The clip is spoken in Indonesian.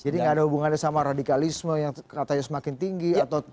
jadi tidak ada hubungannya sama radikalisme yang katanya semakin tinggi atau penanganan terorisme